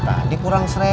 tadi kurang seribu